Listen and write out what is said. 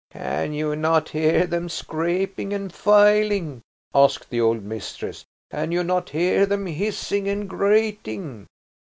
"Can you not hear them scraping and filing?" asked the old mistress. "Can you not hear them hissing and grating?"